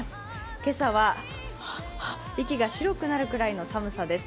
今朝は息が白くなるくらいの寒さです。